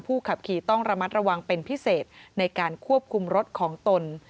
ขับขี่ต้องระมัดระวังเป็นพิเศษในการควบคุมรถของตน